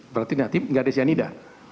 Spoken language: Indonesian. berarti negatif nggak ada cyanide